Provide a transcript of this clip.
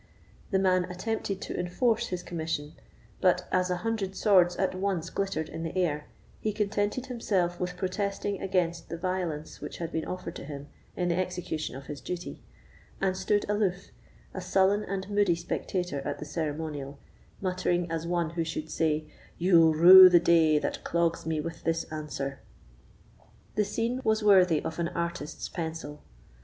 The man attempted to enforce his commission; but as an hundred swords at once glittered in the air, he contented himself with protesting against the violence which had been offered to him in the execution of his duty, and stood aloof, a sullen and moody spectator of the ceremonial, muttering as one who should say: "You'll rue the day that clogs me with this answer." The scene was worthy of an artist's pencil.